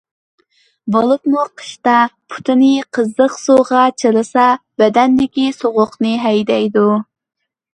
بولۇپمۇ قىشتا پۇتنى قىزىق سۇغا چىلىسا بەدەندىكى سوغۇقنى ھەيدەيدۇ.